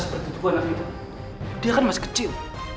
seperti itu anak itu